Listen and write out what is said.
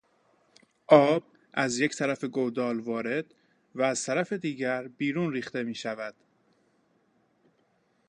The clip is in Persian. آب از یک طرف گودال وارد و از طرف دیگر بیرون ریخته میشود.